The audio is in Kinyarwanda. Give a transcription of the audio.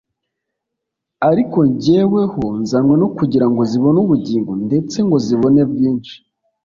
ariko jyeweho nzanywe no kugira ngo zibone ubugingo ndetse ngo zibone bwinshi."